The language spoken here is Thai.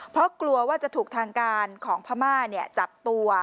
เพราะกลัวว่าจะถูกทางการของพม่าจับตัว